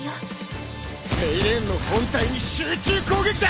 セイレーンの本体に集中攻撃だ！